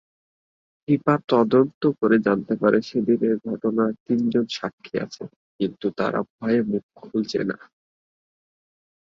কৃপা তদন্ত করে জানতে পারে সেদিনের ঘটনার তিনজন সাক্ষী আছে কিন্তু তারা ভয়ে মুখ খুলছেনা।